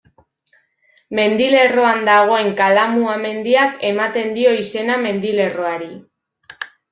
Mendilerroan dagoen Kalamua mendiak ematen dio izena mendilerroari.